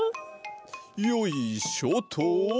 よいしょと！